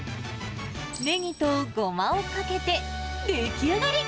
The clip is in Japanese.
ネギとゴマをかけて出来上がり。